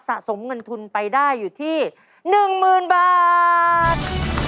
สะสมเงินทุนไปได้อยู่ที่หนึ่งหมื่นบาท